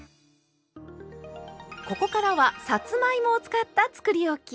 ここからはさつまいもを使ったつくりおき！